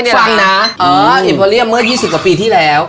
เอออิปราเหรียมเมื่อ๒๐กว่าปีที่แล้ว